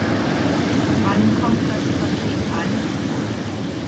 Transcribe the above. Wann kommt das Paket an?